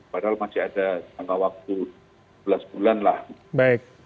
padahal masih ada jangka waktu dua belas bulan lah